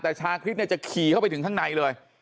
แต่ชาคริสเนี่ยจะขี่เข้าไปถึงข้างในเลย